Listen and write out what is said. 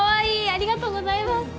ありがとうございます。